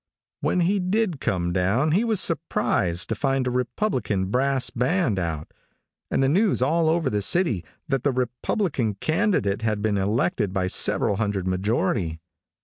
When he did come down he was surprised to find a Republican brass band out, and the news all over the city that the Republican candidate had been elected by several hundred majority.